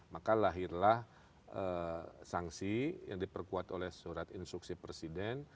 maka lahirlah sanksi yang diperkuat oleh surat instruksi presiden